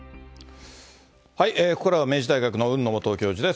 ここからは明治大学の海野もとお教授です。